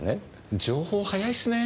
情報早いっすねぇ。